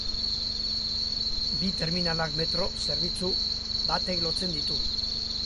Bi terminalak metro zerbitzu batek lotzen ditu.